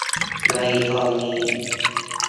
ในตอนนี้